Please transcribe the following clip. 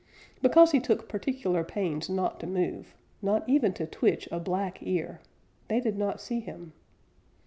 Because he took particular pains not to move, not even to twitch a black ear, they did not see him.